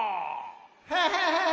・ハハハハ。